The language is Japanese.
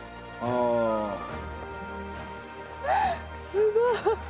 すごい。